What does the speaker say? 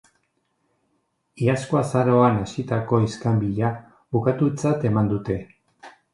Iazko azaroan hasitako iskanbila bukatutzat eman dute.